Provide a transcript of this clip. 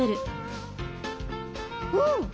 うん！